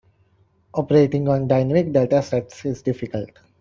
Operating on dynamic data sets is difficult.